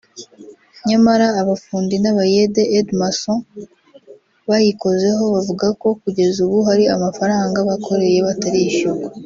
nyamara abafundi n’abayede (aide macon) bayikozeho bavuga ko kugeza ubu hari amafaranga bakoreye batarishyurwa